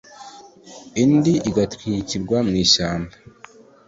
indi igatwikirwa mu mashyamba